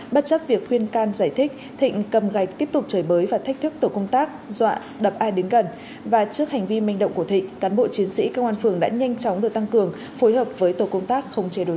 bất chấp việc khuyên can giải thích thịnh cầm gạch tiếp tục trời bới và thách thức tổ công tác dọa đập ai đến gần và trước hành vi manh động của thịnh cán bộ chiến sĩ công an phường đã nhanh chóng được tăng cường phối hợp với tổ công tác không chế đối tượng